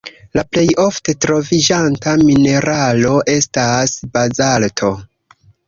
La plej ofte troviĝanta mineralo estas bazalto.